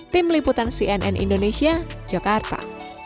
tim liputan cnn indonesia jakarta